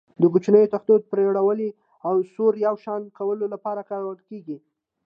د کوچنیو تختو د پرېړوالي او سور یو شان کولو لپاره کارول کېږي.